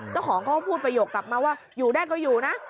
เจ้าของเขาก็พูดประโยคกลับมาว่าอยู่ได้ก็อยู่นะ